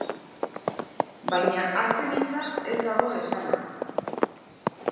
Baina azken hitza ez dago esana.